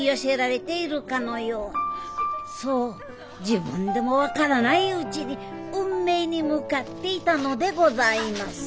自分でも分からないうちに運命に向かっていたのでございます